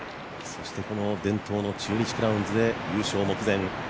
そして、伝統の中日クラウンズで優勝目前。